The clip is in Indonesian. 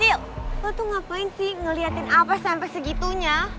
eh sil lo tuh ngapain sih ngeliatin apa sampai segitunya